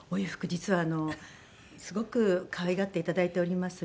実はすごく可愛がっていただいております